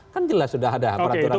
kan jelas sudah ada peraturan